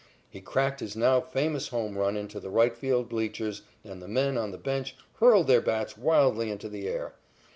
He cracked his now famous home run into the right field bleachers, and the men on the bench hurled the bats wildly into the air.